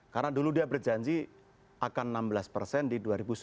karena dulu dia berjanji akan enam belas persen di dua ribu sembilan belas